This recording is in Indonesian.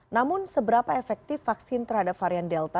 namun seberapa efektif vaksin terhadap varian delta